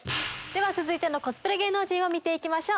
続いてのコスプレ芸能人を見て行きましょう。